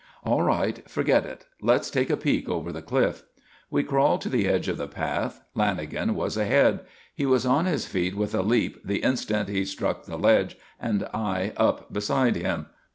"All right. Forget it. Let's take a peek over the cliff." We crawled to the edge of the path. Lanagan was ahead. He was on his feet with a leap the instant he struck the ledge, and I up beside him.